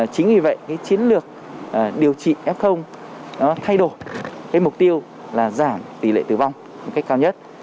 chính vì vậy chiến lược điều trị f nó thay đổi mục tiêu là giảm tỷ lệ tử vong một cách cao nhất